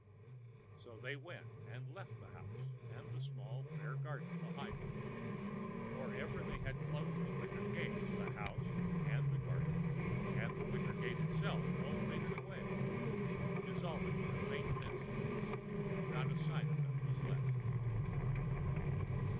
ã So they went and left the house and the small fair garden behind them. Or ever they had closed the wicket gate the house and the garden and the wicket gate itself all faded away, dissolving in a faint mist, and not a sign of them was left.